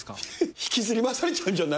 引きずり回されちゃうんじゃない？